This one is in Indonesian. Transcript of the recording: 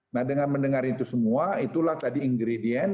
nah dengan mendengar itu semua itulah tadi ingredient